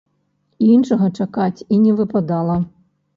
Іншага чакаць і не выпадала.